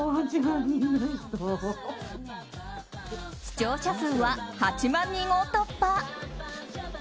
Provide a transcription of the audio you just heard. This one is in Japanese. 視聴者数は８万人を突破。